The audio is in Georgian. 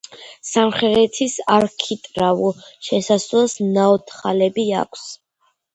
სამხრეთის არქიტრავულ შესასვლელს ნაოთხალები აქვს.